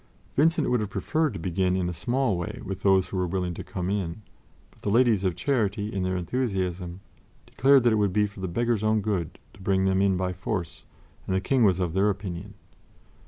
Vincent would have preferred to begin in a small way with those who were willing to come in; but the Ladies of Charity, in their enthusiasm, declared that it would be for the beggars' own good to bring them in by force, and the King was of their opinion.